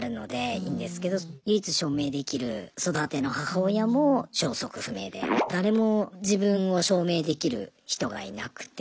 唯一証明できる育ての母親も消息不明で誰も自分を証明できる人がいなくて。